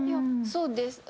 そうです。